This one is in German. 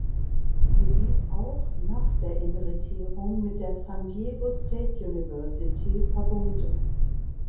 Sie blieb auch nach der Emeritierung mit der San Diego State University verbunden.